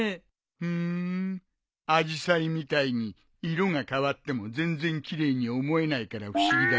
ふーんアジサイみたいに色が変わっても全然奇麗に思えないから不思議だね。